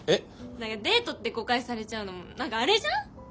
何かデートって誤解されちゃうのも何かあれじゃん？